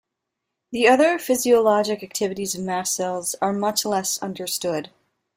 The other physiologic activities of mast cells are much less-understood.